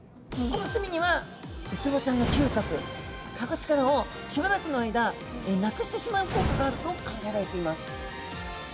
この墨にはウツボちゃんの嗅覚かぐ力をしばらくの間なくしてしまう効果があると考えられています。